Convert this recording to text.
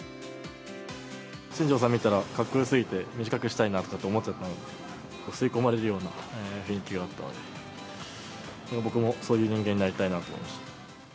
新庄さん見たら、かっこよすぎて、短くしたいなと思っちゃったので、吸い込まれるような雰囲気があったので、僕もそういう人間になりたいなと思いまして。